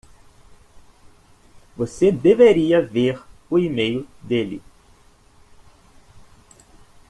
Você deveria ver o email dele!